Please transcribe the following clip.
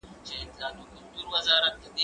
هغه څوک چي قلم کاروي پوهه زياتوي!.